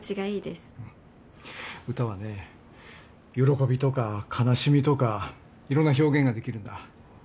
歌はね喜びとか悲しみとかいろんな表現ができるんだ。